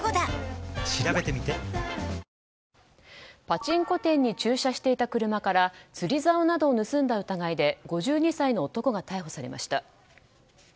パチンコ店に駐車していた車から釣り竿などを盗んだ疑いで５２歳の男が逮捕されました。